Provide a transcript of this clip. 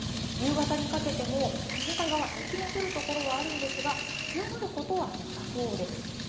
夕方にかけても、日本海側、雪の降る所はあるんですが、強まることはなさそうです。